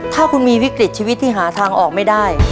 ถ้าคุณมีวิกฤตชีวิตที่หาทางออกไม่ได้